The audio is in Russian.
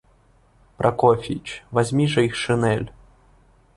Прокофьич, возьми же их шинель.